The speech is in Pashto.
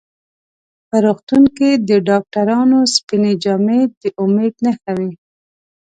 په روغتون کې د ډاکټرانو سپینې جامې د امید نښه وي.